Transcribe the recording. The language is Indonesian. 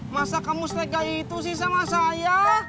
masa kamu setegai itu sih sama saya